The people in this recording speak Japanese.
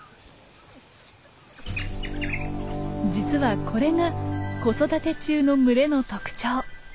実はこれが子育て中の群れの特徴。